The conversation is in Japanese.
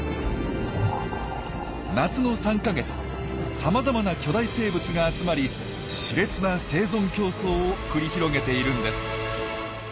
夏の３か月さまざまな巨大生物が集まり熾烈な生存競争を繰り広げているんです。